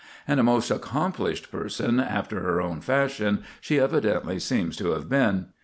And a most accomplished person, after her own fashion, she evidently seems to have been.